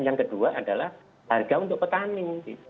yang kedua adalah harga untuk petani